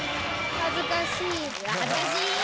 恥ずかしい。